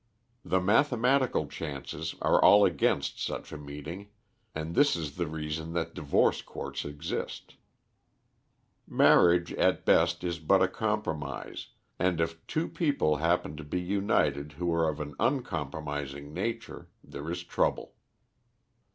The mathematical chances are all against such a meeting, and this is the reason that divorce courts exist. Marriage at best is but a compromise, and if two people happen to be united who are of an uncompromising nature there is trouble.